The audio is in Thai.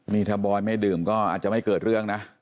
นี่ถ้าบอยไม่ดื่มก็อาจจะไม่เกิดเรื่องนะ